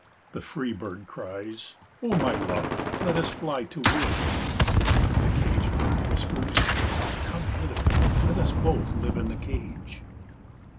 The free bird cries, "O my love, let us fly to wood." The cage bird whispers, "Come hither, let us both live in the cage."